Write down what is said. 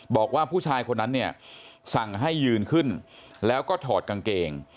บอกว่าผู้ชายคนนั้นเนี่ยสั่งให้ยืนขึ้นแล้วก็ถอดกางเกง